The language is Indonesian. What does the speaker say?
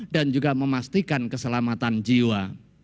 dan juga memastikan keselamatan jiwa